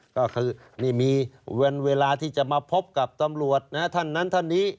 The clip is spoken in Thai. ก็คือนี่มีเวลาที่จะมาพบกับตำรวจนะท่านนั้นท่านนี้